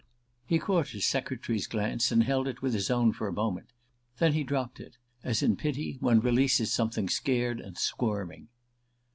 He caught his secretary's glance, and held it with his own for a moment. Then he dropped it as, in pity, one releases something scared and squirming.